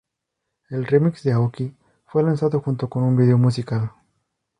El remix de Aoki fue lanzado junto con un video musical.